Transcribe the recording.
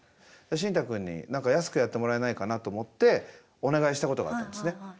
シンタくんに何か安くやってもらえないかなと思ってお願いしたことがあったんですね。